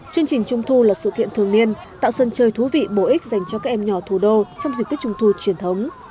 chương trình trung thu là sự kiện thường niên tạo sân chơi thú vị bổ ích dành cho các em nhỏ thủ đô trong dịch tích trung thu truyền thống